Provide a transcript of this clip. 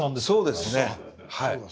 そうですねはい。